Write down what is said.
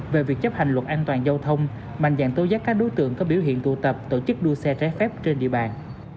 về việc chấp hành luật an toàn giao thông mạnh dạng tố giác các đối tượng có biểu hiện tụ tập tổ chức đua xe trái phép trên địa bàn